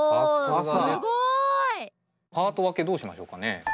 おすごい！パート分けどうしましょうかね？